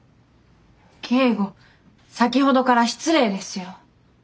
京吾先ほどから失礼ですよ。